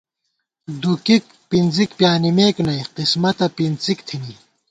دُکِک پِنزِک پیانِمېک نئ ، قسمَتہ پِنڅِک تھِنی